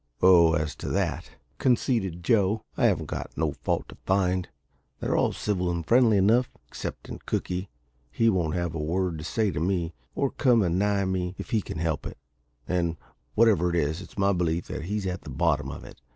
"Oh, as to that," conceded Joe, "I haven't got no fault to find. They're all civil and friendly enough, exceptin' cookie; he won't have a word to say to me, or come anigh me if he can help it; and, whatever it is, it's my belief that he's at the bottom of it.